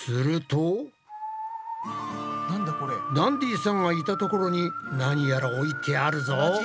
ダンディさんがいたところに何やら置いてあるぞ。